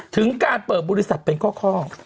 ถึงการเปิดบริษัทเป็นข้อ